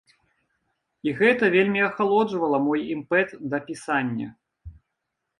І гэта вельмі ахалоджвала мой імпэт да пісання.